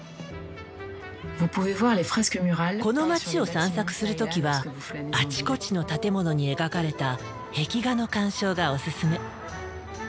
この街を散策する時はあちこちの建物に描かれた壁画の鑑賞がお勧め。